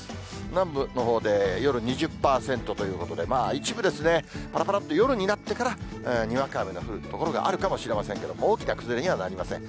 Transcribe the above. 南部のほうで夜２０％ということで、一部ですね、ぱらぱらっと夜になってからにわか雨の降る所があるかもしれませんけども、大きな崩れにはなりません。